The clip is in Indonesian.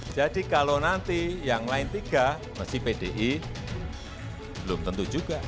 jadi kalau nanti yang lain tiga masih pdi belum tentu juga